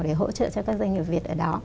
để hỗ trợ cho các doanh nghiệp việt ở đó